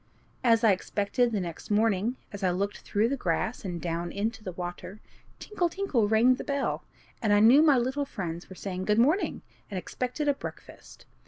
As I expected, the next morning, as I looked through the grass and down into the water, tinkle! tinkle! rang the bell, and I knew my little friends were saying, "Good morning!" and expected a breakfast.